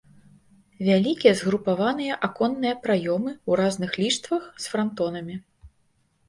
Вялікія згрупаваныя аконныя праёмы ў разных ліштвах з франтонамі.